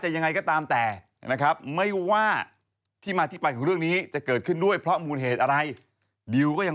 ยังไม่รู้ด้วยว่า